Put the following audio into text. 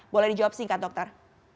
boleh dijawab singkat dokter